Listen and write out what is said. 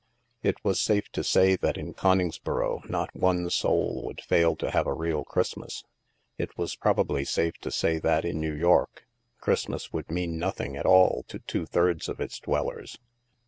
It was safe to say that in Coningsboro not one soul would fail to have a real Christmas. It was probably safe to say that in New York, Christmas would mean nothing at all to two thirds of its dwellers.